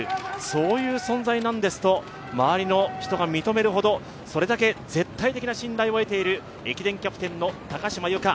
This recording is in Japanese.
そういう存在なんですと周りの人が認めるほど、それだけ絶対的な信頼を得ている駅伝キャプテンの高島由香。